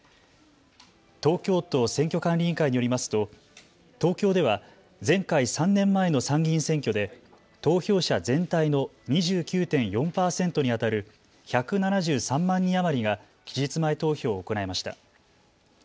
東京都選挙管理委員会によりますと東京では前回３年前の参議院選挙で投票者全体の２９．４％にあたる１７３万人余りが期日前投票を行いました。